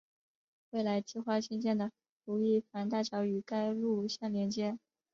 未来计划兴建的如意坊大桥与该路相连接。